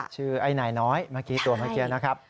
ชื่อไอ้นายน้อยเมื่อกี้ตัวเมื่อกี้นะครับ